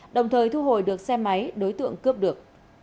đồng thời thu hồi được xe máy đối tượng cướp được